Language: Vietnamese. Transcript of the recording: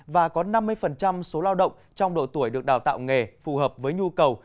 và có năm mươi số lao động trong độ tuổi được đào tạo nghề phù hợp với nhu cầu